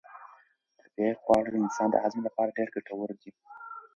طبیعي خواړه د انسان د هضم لپاره ډېر ګټور دي.